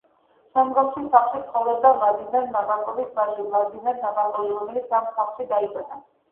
შემდგომში სახლში ცხოვრობდა ვლადიმერ ნაბოკოვის ვაჟი, ვლადიმერ ნაბოკოვი, რომელიც ამ სახლში დაიბადა.